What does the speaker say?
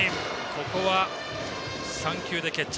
ここは３球で決着。